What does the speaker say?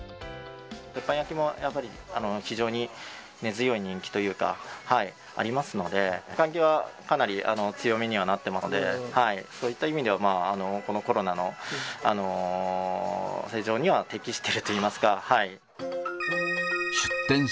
鉄板焼きもやっぱり非常に根強い人気というか、ありますので、換気はかなり強めにはなってますんで、そういった意味では、このコロナの世情には適しているといいますか。